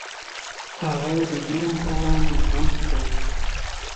هغه د جرم پر وړاندې زغم پیدا کوي